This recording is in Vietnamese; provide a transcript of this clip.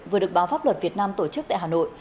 vừa được báo pháp luật việt nam tổ chức tại hà nội